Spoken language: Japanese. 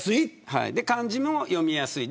そして漢字も読みやすい。